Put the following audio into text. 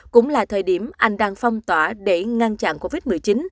cũng là thời điểm anh đang phong tỏa để ngăn chặn covid một mươi chín